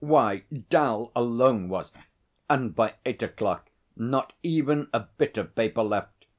Why, 'Dal alone was.... And by eight o'clock not even a bit of paper left!